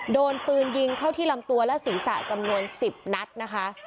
โดนปืนยิงเข้าที่ลำตัวและศีรษะจำนวน๑๐นัดนะคะ